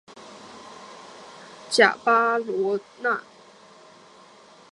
身无分文的巴克在一位陌生人的帮助下找到了居住在喀土穆的丁卡人聚居区贾巴罗纳。